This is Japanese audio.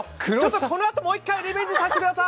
このあと、もう一回リベンジさせてください！